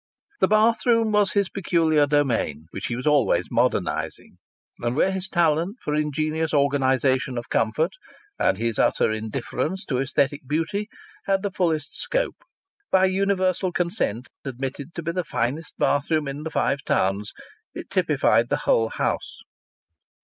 The bathroom was his peculiar domain, which he was always modernizing, and where his talent for the ingenious organization of comfort, and his utter indifference to aesthetic beauty, had the fullest scope. By universal consent admitted to be the finest bathroom in the Five Towns, it typified the whole house.